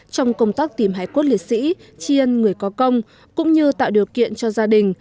trong công tác tìm hải cốt liệt sĩ tri ân người có công cũng như tạo điều kiện cho gia đình